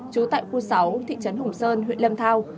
trú tại khu sáu thị trấn hùng sơn huyện lâm thao